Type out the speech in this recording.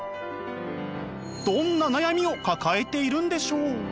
どんな悩みを抱えているんでしょう？